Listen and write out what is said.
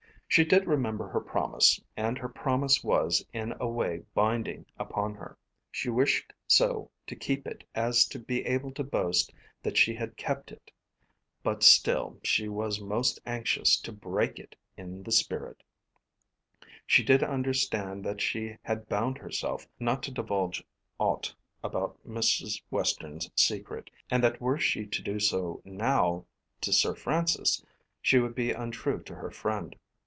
She did remember her promise, and her promise was in a way binding upon her. She wished so to keep it as to be able to boast that she had kept it. But still she was most anxious to break it in the spirit. She did understand that she had bound herself not to divulge aught about Mrs. Western's secret, and that were she to do so now to Sir Francis she would be untrue to her friend.